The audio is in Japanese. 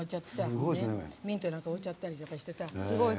ミントとか置いちゃったりしてさ。